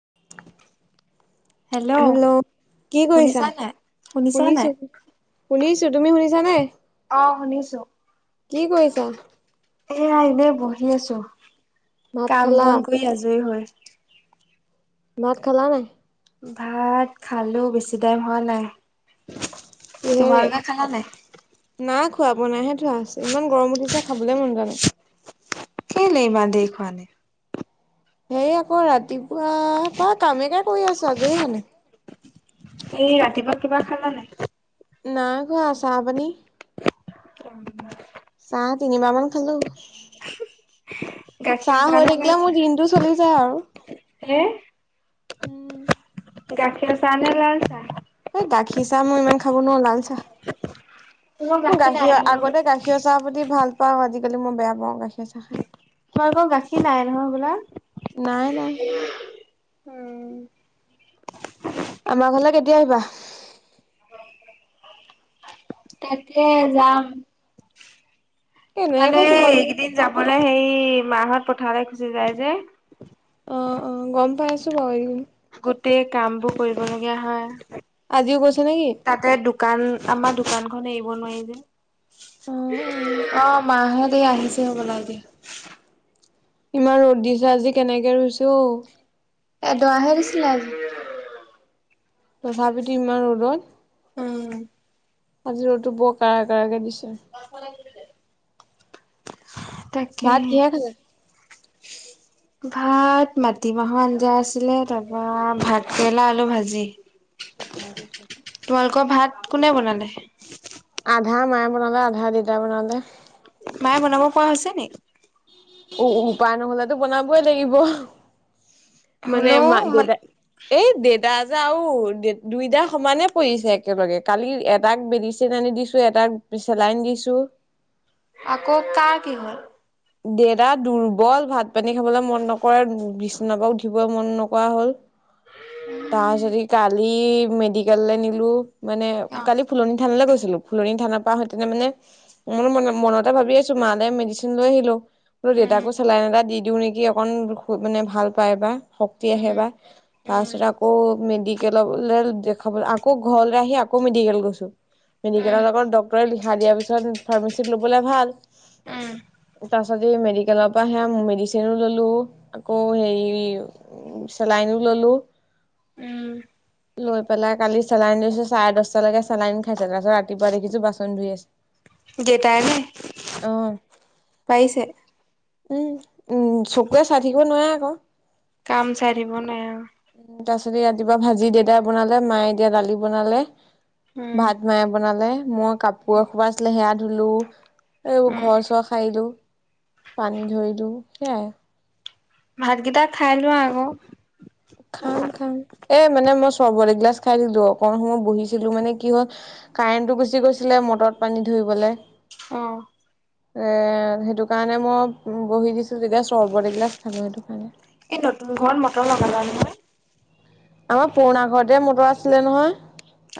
[unintelligible] Hello কি কৰিছা? শুনিছা নাই শুনিছা নাই? শুনিছো। শুনিছো। তুমি শুনিছা নে? ছো। কি কৰিছ? এয়া এনেই বহি আছো। ভাত কাম খালা? বন কৰি আজৰি হৈ। ভাত খালা নাই? ভাত খালো। বেছি টাইম হোৱা নাই। কিহেৰে? তোমালোকে খালা নাই? নাই খোৱা বনাই হে থোৱা আছে। ইমান গৰম উঠিছে খাবলে মন যোৱা নাই। কেলে ইমান দেৰি খোৱা নাই? সেই আকৌ ৰাতিপুৱা পা কামকে কৰি আছো। আজৰি হোৱা নাই। এই ৰাতিপুৱা কিবা খালা নাই? নাই খোৱা চাহপানী। [unintelligible] চাহ তিনিবাৰ মান খালো। গাখীৰ চাহ হৈ নে লাল থাকিলে চাহ? মোৰ দিনটো চলি যায় আৰু উম, গাখী অ' চাহ নে লাল চাহ? এই গাখীৰ চাহ মই ইমান খাব নোৱাৰ লাল চাহ, তোমালোকৰ মোৰ গাখীৰ নাই গাখীঅ নহয় বোলা? আগতে গাখী অ চাহ প্ৰতি ভাল। পাওঁ আজিকালি মই বেয়া পাওঁ গাখীঅ চাহ। তোমালোক গাখীৰ নাই নহয় হ'বলা? নাই নাই উম্। আমা ঘৰলে কেতিয়া আহিবা? তাকে যাম। এনেহে মানে কৈছো বাৰু তুমি এইকেইদিন যাবলৈ সেই মাহত পথাৰলৈ গুচি যায় যে। অ -অ গম পাই আছো বাৰু এই গোটেই কাম বোৰ কৰিব লগীয়া হয় আজিও গৈছে নেকি? তাতে দোকান, আমাৰ দোকানখন এৰিব নোৱাৰি যে। অ 'মা হতে আহিছে হ'বলা দি ইমান ৰ'দ দিছে আজি কেনেকে ৰুইছ অ? এদৱা হে দিছিলে আজি। তথাপিতো ইমান ৰ'দত, আজি ৰ'দটো বৰ ক কাৰাকে দিছে। পাছফালে টিপি দে। ভাত তাকেহে কিহে খালে? ভাত মাটি মাহৰ আঞ্জা আছিলে তাৰপা ভাত কেলা আলু ভাজি। তোমালোকৰ ভাত কোনে বনালে? আধা মায়ে বনালে আধা দিতা বনালে। মাই বনাব পৰা হৈছে নি? উ উপায় নহলেতো বনাবই লাগিব। মানে হ'লেও মা মান দেতাই। এই দেতা যে আউ দুইটাৰ সমানে পৰিছে একেলগে কালি এটাক মেডিচেন আনি। দিছো এটাক চেলাইন দিছো। আকৌ কা কি' হল? দেদা দুৰ্বল ভাত পানী খাবলৈ মন নকৰে বিচনাপা উঠিবলৈ মন নকৰা হ'ল। [inaudible] উম। তাৰ পাছতে কালি মেডিকেললৈ নিলো মানে অ কালি ফুলনি থানৈ গৈছিলো ফুলনি থান। পা আহোতে মানে মোৰ মনতে ভাবি আছো মা লে মেডিচিন লৈ আহিম। বোলো উম দেউতাকো চেলাইন এটা দি দিও নেকি অকন মানে ভাল পায় বা। শক্তি আহে উম বা উম তাৰপিছত আকৌ মেডিকেল লে দেখাব আকৌ ঘৰলৈ আহি আকৌ মেডিকেল গৈছো। উম মেডিকেলৰ লগত ডক্তৰে লিখা দিয়াৰ পিছত ফাৰ্মাচিত লবলে ভাল। উম তাৰ পাছত যি মেডিকেলৰ পৰা সেয়া আহে মেডিচেনো ললো আকৌ হেই। লাইনো ললো। উম্। লৈ পেলাই কালি চেলাই লৈছো চাৰে দশটালৈকে চেলাই নি খাইছে তাৰপাছত ৰাতিপুৱা দেখিছো বাচন ধুই আছে। দেটাই নে, অ পাইছে? উম উম চকুয়ে চাই থাকিব নোৱাৰে আকৌ। কাম চাই থাকিব নাই আ। কিবা ভাজি দেতাই বনালে মায়ে এতিয়া দালি বনালে। উম ভাত মায়ে বনালে মই কাপোৰ এখোপা আছিলে সেয়া ধুলো। এইবোৰ উম, ঘৰ চৰ সাৰিলো, পানী ধৰিলো সেইয়াই। ভাতকিটা খাই লোৱা আকৌ। খাম খাম এ মানে মই চৰবত এগিলাছ খাই দিলো অকনমান সময় বহিছিলো মানে কি হল কাৰেণ্টটো গুচি গৈছিলে মটৰত পানী ধৰি। -ৰিবলে অ' এ সেইটো কাৰণে মই বহি দিছো এতিয়া চৰবত এগিলাছ খালো সেইটো কাৰণে, এই নতুন ঘৰত মটৰ লগালা নহয়? অ পুৰণা ঘৰতে মটৰ আছিলে নহয়।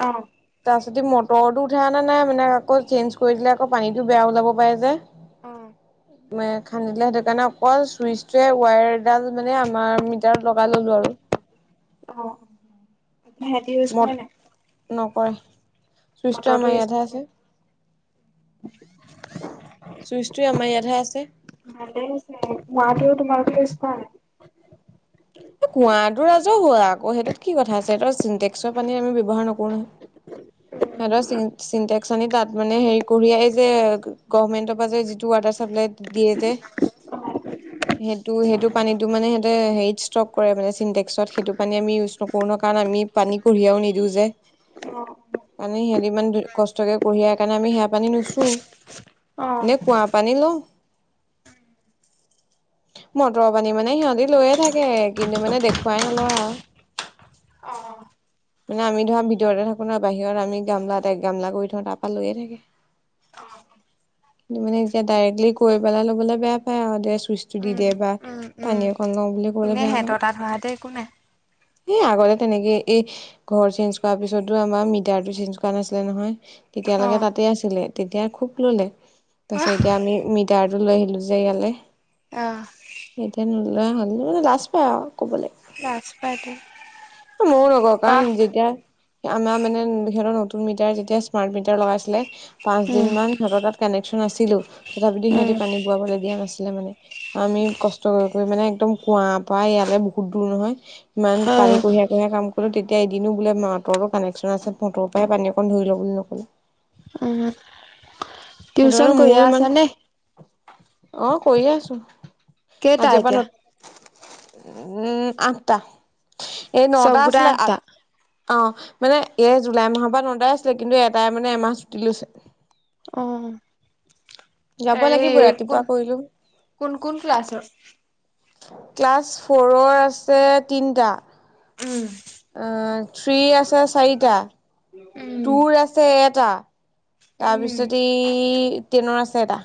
অ', তাৰপিছত মটৰটো উঠা অনা নাই মানে আকৌ চেঞ্জ কৰি দিলে আকৌ পানীটো বেয়া ওলাব পাৰে যে। অ ম খান্দিলে সেইটো কাৰণে অকল চুইচটোয়ে ৱায়াৰডাল মানে আমাৰ মিটাৰত লগাই ললো আৰু। [inaudible] অ অ মট নকৰে চুইচটো মটৰটো আমাৰ ইউজ ইয়াতহে নকৰে। আছে। চুইচটো আমাৰ ইয়াতহে আছে। ভালে হৈছে, [unintelligible] ইউজ কৰা কুঁৱাটো ৰাজহুৱা আকৌ সেইটোত কি কথা আছে সিহঁতৰ চিনটেক্সৰ পানী আমি ব্যৱহাৰ নকৰোঁ ন। সিহঁতৰ চিন চিনটেক্স আনি তাত মানে হেৰি কঢ়িয়াই যে গভমেন্টৰ পা যে যিটো ৱাটাৰ চাপ্লাইত দিয়ে যে সেইটো পানীতো মানে সিহঁতে হেৰিত ষ্টক ষ্টক কৰে মানে চিনটেক্সত সেইটো পানী আমি ইউজ নকৰো ন কাৰণ আমি পানী কঢ়িয়াও নিদিওঁ যে। অ', কাৰণে সিহঁতি ইমান কষ্টকে কঢ়িয়ায় কাৰণে আমি সেয়া পানী নুচো। অ', এনে কুৱা পানী লোঁ, মটৰ পানী মানে সিহঁতি লৈয়ে থাকে। কিন্তু মানে দেখুৱাই নলয় আৰু অ'। মানে আমি ধৰা ভিতৰতে থাকোঁ ন বাহিৰত আমি গামলা এক গামলা কৰি থওঁ তাৰ পৰা লৈ আহি থাকে [inaudible] কিন্তু মানে এতিয়া ডাইৰেক্টলি গৈ পেলাই ল'বলৈ বেয়া পায় দে চুইচটো দি দে উম, বা উম, উম। পানী অকন লওঁ বুলি। ক'বলৈ এনে সিহঁতৰ তাত হোৱাহতে একো নাই এই আগতে তেনেকে এই ঘৰ চেঞ্জ কৰা পিছতো আমাৰ মিটাৰটো চেঞ্জ কৰা নাছিলে নহয়। তেতিয়ালৈকে অ', তাতে আছিলে তেতিয়া খুব ল'লে তাৰপিছত এতিয়া আমি মিটাৰটো লৈ আহিলোঁ যে ইয়ালে। অ', এতিয়া নোলোৱা হ'ল মানে লাজ পাই আৰু।। ক'বলৈ লাজ পায়টো। ময়ো নকওঁ কাৰণ যেতিয়া আমাৰ মানে সিহঁতৰ নতুন। মিটাৰ যেতিয়া স্মাৰ্ট মিটাৰ লগাইছিলে পাঁচ দিন উম, মান সিহঁতৰ তাত কানেকশ্বন আছিলোঁ। তথাপিওঁ উম, সিহঁতে পানী বোৱাবলৈ দিয়া নাছিলে মানে আমি কষ্ট কৰি মানে একদম। কুঁৱাৰ পৰা ইয়ালে বহুত দূৰ নহয় ইমান পানী অ', কঢ়িয়াই কঢ়িয়াই কাম কৰোঁ তেতিয়া এদিনো বোলে মটৰো কানেকশ্যন আছে মটৰৰ পৰাই পানী অকণ ধৰি ল বুলি নক'লে উম। সেইটো টিউচন কাৰণে মোৰো কৰিয়ে ইমান আছা নে? অ কৰিয়ে আছোঁ। কেইটা এতিয়া। উম আঠটা এই নটা চবগোটা আছিলে আ আঠটা? অ মানে এই জুলাই মাহৰ পৰা নটাই আছিলে কিন্তু এটাই মানে এমাহ ছুটি লৈছে। অ যাব হেৰি লাগিব ৰাতিপুৱা কোন কৰিলো কোন কোন ক্লাছৰ ক্লাছ ফ'ৰৰ আছে তিনটা উম অ থ্ৰী আছে চাৰিটা উম টুৰ আছে এটা এ উম টাতাৰপিছতে ই টেনৰ আছে এটা।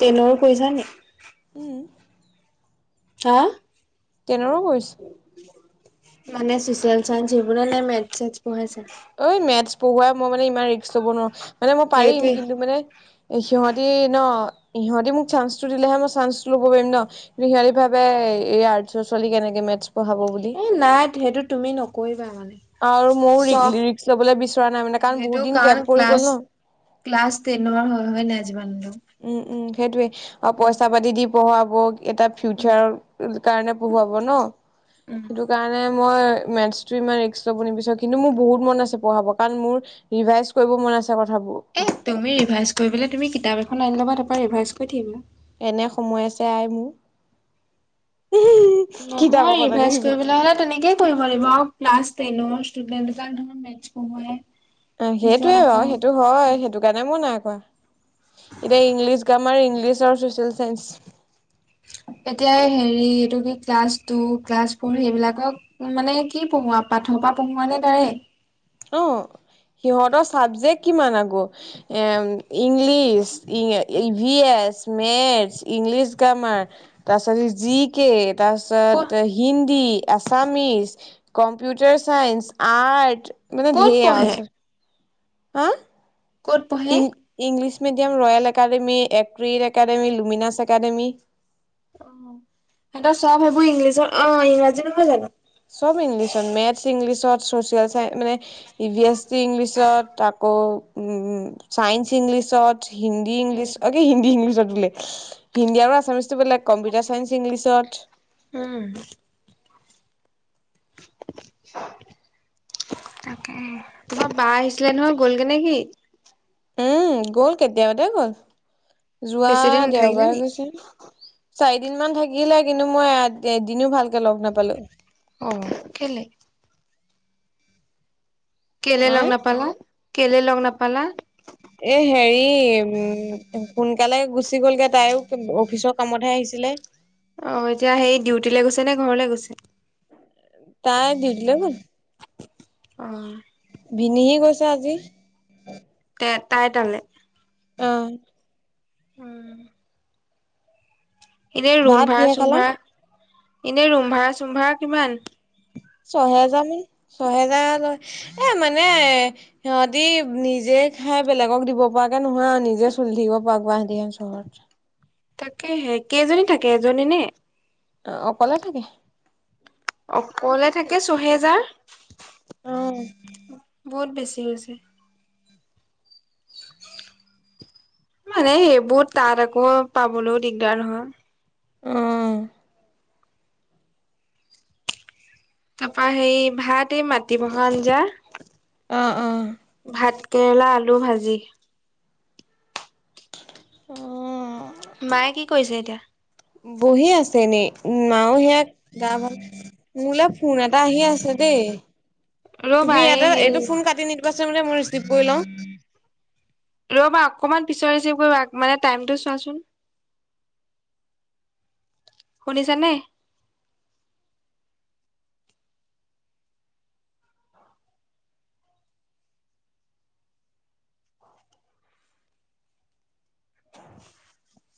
টেইনৰো কৰিছা নি? [inaudible] হা? [inaudible] মানে চচিয়েল চাইস সবো নে মে চে পঢ়াইছে [inaudible] অঐ মেথছ পঢ়ুৱাই মই মানে ইমান ৰিক্ক ল'ব নোৱাৰো মানে মই পাৰিম সেইটোৱে কিন্তু মানে এ সিহতি ন ইিহঁতি মোক চান্সটো দিলেহে মই চান্সটো ল'ব পাৰিম ন কিু সিহতি ভাবে এই আৰ্টছৰ ছোৱালী কেনেকে ম মেটচ পঢ়াব বুলি [inaudible] এই নাই সেইটো তুমি নকৰিবা মানে আৰু ময়ো চব ৰিক্স লবলৈ বিচৰা নাই মানে কাৰণ সেইটো বহুত দিন কাৰণ কেব পৰি গ'ল ক্লাছ ন। ক্লাছ টেন নমাৰ হয় নাই যিমান হলেও উম, উম, সেইটয়ে আৰু পইচা পাতি দি পঢ়াব এটা উম ফিউচাৰ কাৰণে পঢ়ুৱাব ন উম সেইটো কাৰণে মই মেটচ টো ইমান ৰিক্স লব নিবিৰাৰো কিন্তু মোৰ বহুত মন আছে পঢ়াব কাৰণ মোৰ ৰিভাইজ কৰিব মন আছে কথাবোৰ এ তুমি ৰিভাইজ কৰিবলে তুমি কিতাপ এখন আনি লবা তাৰপৰা ৰিভাইজ কৰি থাকিবা। এনে সময় আছে আই মোৰ। কিতাপ নহয় এখন আনি ইভেষ্ট দিবি কৰিবলৈ হ'লে তেনেকেই কৰিব লাগিব প্লাষ্ট ন ষ্টুডেণ্ট ত ধ মেচ পে [unintelligible] অ 'সেইটোয়ে ৰ সেইটো হয় সেইটো কাৰণে মোৰ নাই এতিয়া ইংলিছ গ্ৰামাৰ ইংলিছ আৰু চচিয়েল চাইঞ্চ এতিয়া হেৰি এইটো কি ক্লাছ টু ক্লাছ ফৰ সেইবিলাকক মানে কি পঢ়ো? প্ৰথম পা পঢ়োনে তাৰে [unintelligible] অ সিহঁতৰ চাবজেক্ট কিমান আকৌ এ English E E V S maths English grammar তাৰ পাত জি কে ক'ত তাৰপিছত Hindi Assamese computer science art মানে ক'ত ঢেৰ পঢ়ে আট হা? ক'ত পঢ়ে ই ইংলিছ [unintelligible] মিডিয়াম ৰয়েল একাডেমি এক্ৰ একাডেমী লুমিনাছ একাডেমী অ সিহঁতৰ চব সেইবোৰ ইংলিছৰ অ ইংৰাজী নহয় জানো চব ইংলিছত মেথছ ইংলিছত চ'চিয়েল চাই মানে ই ভিএছ চি ইংলিছত ত অ, উ, ছাইন্স ইংলিছত হিন্দী ইংলিছ উম অে হিন্দী ইংলিছত হিন্দী আৰু আছামিচটো বেলেগ কম্পিউটাৰ চাইন্স ইংলিছত। উম। [inaudible] তাকে তোমাৰ বা আহিছিলে নহয় গ'লগে নে কি? উম, গ'ল কেতিয়াবাতে গ'ল। যোৱা বেছি দিন নাথাকিলে দেওবাৰে নি গৈছে চাৰ দিনমান থাকিলে কিন্তু মই দিনও ভালকে লগ নাপালো অ, ' কেলে? কেলে লং আহ নাপালালা কেলে লং নাপালা? এ হেৰি উম, সোনকালে গুচি গলগে তাইও অফিচৰ কামতহে আহিছে। চছিলিলে [unintelligible] অ 'এতিয়া সেই ডিউটৈ গৈছে নে ঘৰলে গৈছে? তাই দিউতিলে গ'ল অ, ' ভিনিহি গৈছে আজি। তে তাই তালে অ, ' উম, এনে ৰোম ভাত ভাড়া কিহে চোম খালা ভাড়া এনে ৰোম ভাড়া চোম ভাড়া কিমান? ছহেজাৰ মানে ছহেজাৰ লয় এ মানে সিহতি নিজে নি খাই বেলেগক দিব পৰাকে নহয় আৰু নিজে চলি থাকিব পৰা গাহে চহৰত তাকেহে কেইজনী থাকে এজনী নে। অ' অকলে থাকে। অকলে থাকে ছহেজাৰ অঁ। ঠিক হৈছে। মানে সেইবোৰ তাত আকৌ পাবলৈও দিগদাৰ নহয়। অঁ। তাৰপৰা সেই ভাত এই মাটি মাহৰ আঞ্জা। অঁ অঁ। ভাত কেৰেলা আলু ভাজি। অঁ। মায়ে কি কৰিছে এতিয়া? বহি আছে ন মাও সেয়া গা ভাল মোলে ফোন এটা আহি আছে দেই। ৰ'বা তুমি এই ইয়াতে এইটো হেৰি ফোন কাটি নিদিবাচ মানে মই ৰিচিভ কৰি লও। ৰবা অকমান পিচৰিছে মানে টাইমটো চোৱাচোন [inaudible] শুনিছা নে? [inaudible]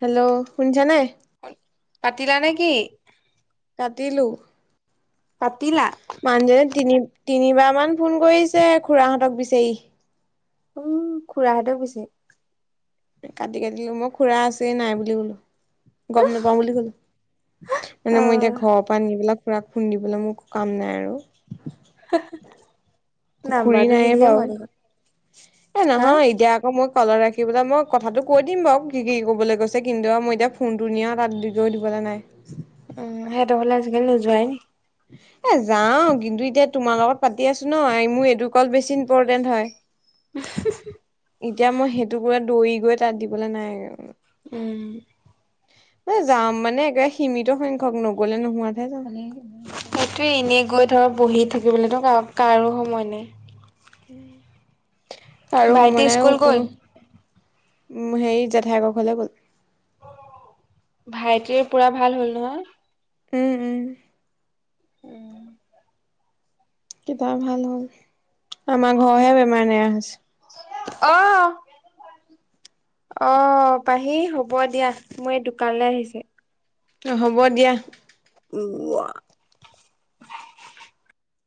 হেল্ল' শুনিছা নাই? কাতিলা নেকি? কাটিলো। পাতিলা? মানুহজননে তিনি - তিনিবাৰ মান ফোন কৰিছে খুৰাহঁতক বিচাৰি। উম, খুৰাহঁতেও বিচাৰি। কাটি-কাটিলো মই খুৰা আছেই নাই বুলি কলো গম নাপাও বুলি কলো। মানে অ মই এতিয়া ঘৰৰ পৰা আনি পেলাক খুৰাক খুন্দিবলৈ মোৰ কাম নাই আৰু। ঘুৰি নাম্বাৰটো দি নাইে দিলেই বাৰু হয় দেখোন। এ হা? নহয় এতিয়া আকৌ মই কলত ৰাখিবেললৈ মই কথাটো কৈ দিম বাৰু কি - কি কবলৈ গৈছে কিন্তু মই এতিয়া ফোনটো নিয়া তাত দি গৈ দিব লাগে। দে নাই। উম, সিহটো হলে আজিকালি নোযোৱাই নেকি? এ যাও কিন্তু এতিয়া তোমাৰ লগত পাতি আছো ন মোৰ এইটো কল বেছি ইম্পৰ্টেণ্ট হয়। উমহু, এতিয়া মই সেইটো পোৰা দৌৰি গৈ তাত দিবলৈ নাই আৰু। উম, ম যাম মানে একাৰে সীমিত সংখ্যক নগলে নোহোৱাতহে যাম সেইটোয়ে এনেই গৈ ধৰ বহি থাকিবলৈতো কাৰ কাৰো সময় নাই। কাৰু ভাইটি সময় নাইও স্কুল গ'ল? কোনো উম, হেৰি জেঠাইকৰ ঘৰলে গ'ল। ভাইটিৰ পুৰা ভাল হ'ল নহয়। উম-উম। উম, কিবয়া ভাল হ'ল আমাৰ ঘৰহে বেমাৰ নাছে। অহ ', অ পাহি হ'ব দিয়া মই এই দোকানলৈ আহিছে। অ হ'ব দিয়া। উৱা [unintelligible]